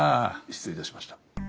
失礼いたしました。